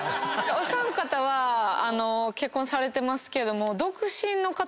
お三方は結婚されてますけども。